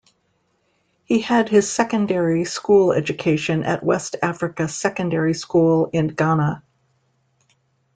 He had his secondary school education at West Africa Secondary School in Ghana.